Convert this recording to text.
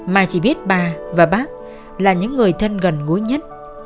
mà chỉ biết bà và bác là những người thân gần gũi nhất